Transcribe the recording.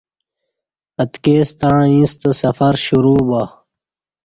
اتکی ستݩع ییݩستہ سفر شرو با